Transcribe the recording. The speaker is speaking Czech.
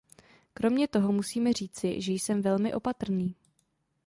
Kromě toho musím říci, že jsem velmi opatrný.